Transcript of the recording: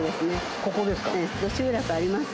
ここですか？